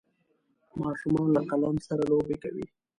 ماشومان له قلم سره لوبې کوي.